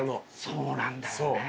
そうなんだよね。